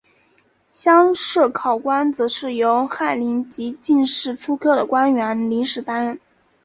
乡试考官则是由翰林及进士出身的官员临时担任。